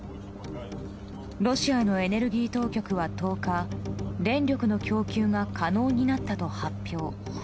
ロシアのエネルギー当局は１０日電力の供給が可能になったと発表。